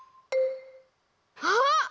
あっ！